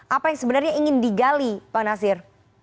apa yang sebenarnya ingin digali pak nasir